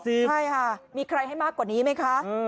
ใช่ค่ะมีใครให้มากกว่านี้ไหมคะ